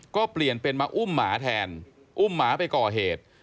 ก็เปลี่ยนเป็นมาอุ้มหมาแทนอุ้มหมาไปก่อเหตุ